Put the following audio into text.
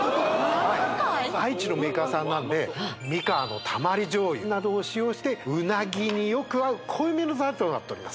愛知のメーカーさんなんで三河のたまり醤油などを使用してうなぎによく合う濃いめのタレとなっております